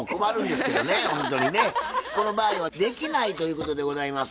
この場合はできないということでございます。